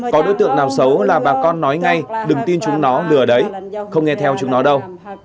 có đối tượng nào xấu là bà con nói ngay đừng tin chúng nó lừa đấy không nghe theo chúng nó đâu